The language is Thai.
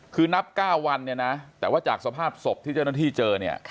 คือนับ๙วันแต่ว่าจากสภาพศพที่เจ้าหน้าที่เจอ